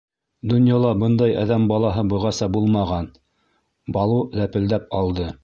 Донъяла бындай әҙәм балаһы бығаса булмаған, — Балу ләпелдәп алды.